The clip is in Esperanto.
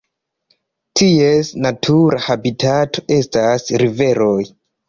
Ties natura habitato estas riveroj.